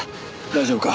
大丈夫か？